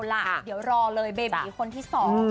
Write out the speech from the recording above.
เออเอาล่ะเดี๋ยวรอเลยเบบีคนที่สอง